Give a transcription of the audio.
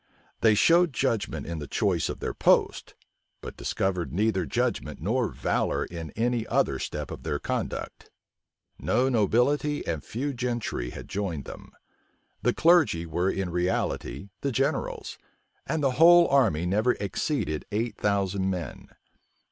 They showed judgment in the choice of their post, but discovered neither judgment nor valor in any other step of their conduct. No nobility and few gentry had joined them: the clergy were in reality the generals; and the whole army never exceeded eight thousand men.